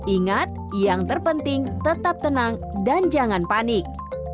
ingat yang terpenting tetap tenang dan jangan panik